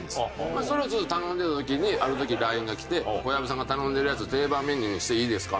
それをずっと頼んでた時にある時ＬＩＮＥが来て「小籔さんが頼んでるやつ定番メニューにしていいですか？」